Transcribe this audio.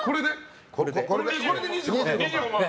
これで２５万円？